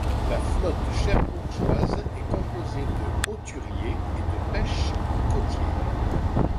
La flotte cherbourgeoise est composée de hauturiers et de pêche côtière.